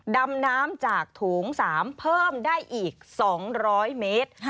ดำน้ำจากโถง๓เพิ่มได้อีก๒๐๐เมตร